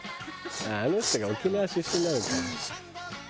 「あの人が沖縄出身なのか」